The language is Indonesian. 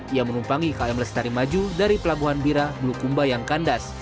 ia menumpangi km lestari maju dari pelabuhan bira bulukumba yang kandas